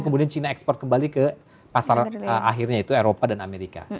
kemudian cina ekspor kembali ke pasar akhirnya itu eropa dan amerika